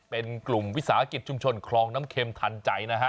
เป็นกลุ่มวิสาหกิจชุมชนคลองน้ำเข็มทันใจนะฮะ